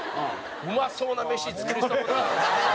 うまそうな飯作りそうな。